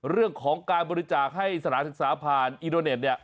เรื่องของการบริจาคให้สถานศึกษาผ่านอินโดเน็ตเนี่ย